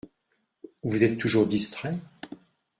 Vous êtes toujours distrait ?